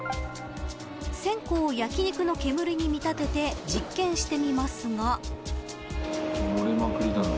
線香を焼肉の煙に見立てて実験してみますが。